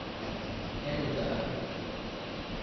Elda!